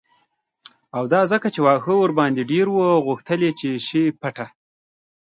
او دا ځکه چې واښه ورباندې ډیر و او غوښتل یې چې شي پټه